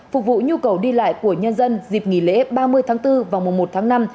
phục vụ nhu cầu đi lại của nhân dân dịp nghỉ lễ ba mươi tháng bốn và mùa một tháng năm